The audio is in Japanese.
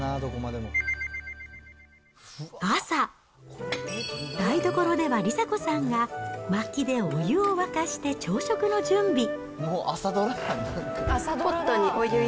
朝、台所では梨紗子さんがまきでお湯を沸かして朝食の準備。